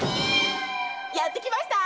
やって来ました！